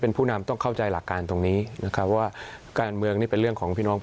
เป็นผู้นำต้องเข้าใจหลักการตรงนี้นะครับว่าการเมืองนี่เป็นเรื่องของพี่น้อง